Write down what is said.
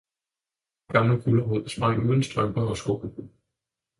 Gammel gulerod sprang uden strømper og sko